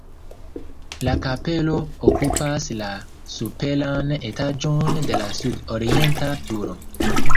La kapelo okupas la superan etaĝon de la sud-orienta turo.